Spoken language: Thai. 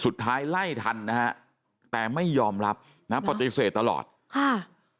สุดท้ายไล่ทันนะฮะแต่ไม่ยอมรับนะปฏิเสธตลอดค่ะ